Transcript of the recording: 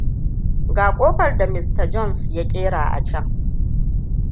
Ga ƙofar da Mr. Jones ya ƙera acan.